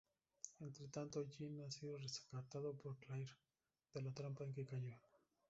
Entre tanto, Jin ha sido rescatado por Claire, de la trampa en que cayó.